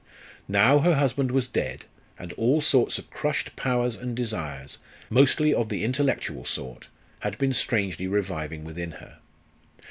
Now her husband was dead, and all sorts of crushed powers and desires, mostly of the intellectual sort, had been strangely reviving within her.